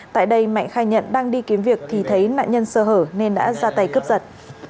tại đây mạnh khai nhận đang đi kiếm việc thì thấy nạn nhân sơ hở nên đã ra tay cướp giật